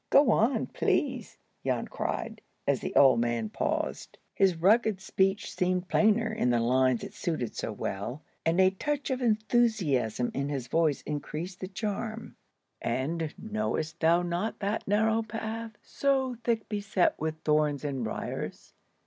"Go on, please!" Jan cried, as the old man paused. His rugged speech seemed plainer in the lines it suited so well, and a touch of enthusiasm in his voice increased the charm. "And know'st thou not that narrow path So thick beset with thorns and briars?